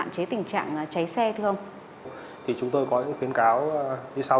thì chúng tôi có những khuyến cáo như sau